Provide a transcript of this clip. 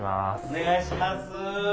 お願いします。